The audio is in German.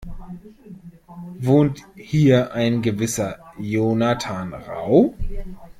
Wohnt hier ein gewisser Jonathan Rau?